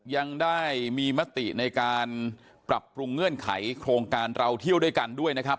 ยังได้มีมติในการปรับปรุงเงื่อนไขโครงการเราเที่ยวด้วยกันด้วยนะครับ